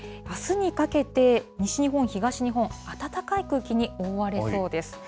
あすにかけて、西日本、東日本、暖かい空気に覆われそうです。